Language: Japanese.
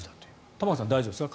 玉川さん、大丈夫ですか？